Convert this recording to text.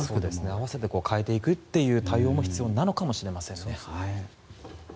合わせて変えていくという対応も必要なのかもしれませんね。